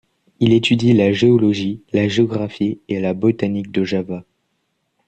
Il étudie la géologie, la géographie et la botanique de Java.